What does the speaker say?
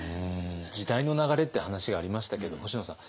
時代の流れって話がありましたけど星野さん。